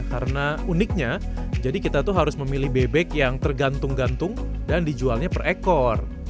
karena uniknya jadi kita tuh harus memilih bebek yang tergantung gantung dan dijualnya per ekor